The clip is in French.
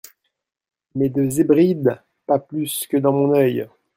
Mais de Zhébrides, pas plus que dans mon œil !